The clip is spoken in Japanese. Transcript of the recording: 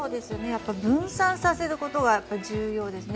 分散させることが重要ですね。